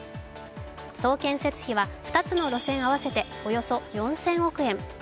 総建設費は２つの路線合わせておよそ４０００億円。